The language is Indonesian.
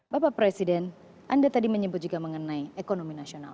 bapak presiden anda tadi menyebut juga mengenai ekonomi nasional